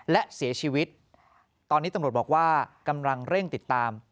และเสียชีวิตตอนนี้ตำรวจบอกว่ากำลังเร่งติดตาม